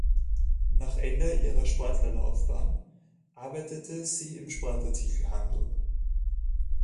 Nach Ende ihrer Sportlerlaufbahn arbeitete sie im Sportartikel-Handel.